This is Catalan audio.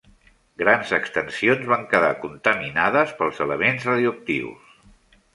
Grans extensions van quedar contaminades pels elements radioactius.